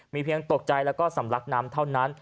มีเพียงตกใจและสมรัครนำเท่านั้น